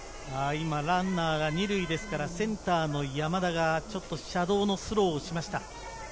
今、ランナーが２塁ですからセンターの山田がシャドウのスローをしました。